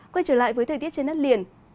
quay trở lại với thời tiết trên đất liền